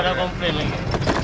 belum ada komplain lagi